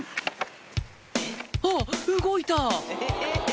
あっ動いた！